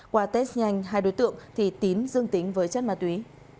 qua test nhanh hai đối tượng thì tín dương tính với chất mạ tuy